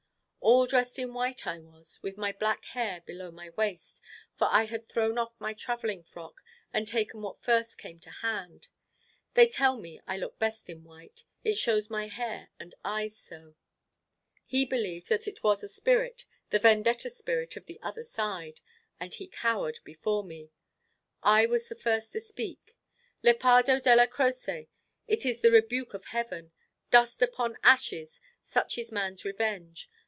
All dressed in white I was, with my black hair below my waist, for I had thrown off my travelling frock, and taken what first came to hand. They tell me I look best in white, it shows my hair and eyes so. He believed that it was a spirit, the Vendetta spirit of the other side; and he cowered from me. I was the first to speak. "Lepardo Della Croce, it is the rebuke of heaven. Dust upon ashes; such is man's revenge.